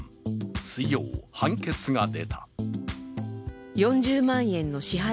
水曜、判決が出た。